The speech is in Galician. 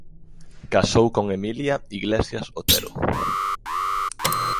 Casou con Emilia Iglesias Otero.